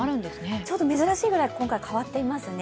ちょっと珍しいくらい今回、変わってますね。